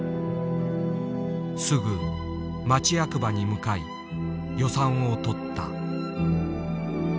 すぐ町役場に向かい予算を取った。